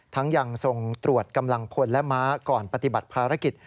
ยังทรงตรวจกำลังพลและม้าก่อนปฏิบัติภารกิจ